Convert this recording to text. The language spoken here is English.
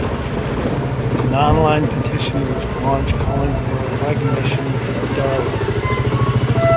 An online petition was launched calling for the recognition of the Darug.